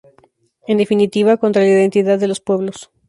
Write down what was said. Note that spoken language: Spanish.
En definitiva, contra la identidad de los pueblos.